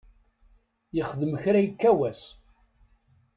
Yexdem kra yekka wass.